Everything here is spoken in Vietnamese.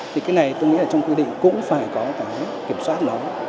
thì cái này tôi nghĩ là trong quy định cũng phải có cái kiểm soát nó